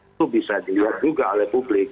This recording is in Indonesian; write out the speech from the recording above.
itu bisa dilihat juga oleh publik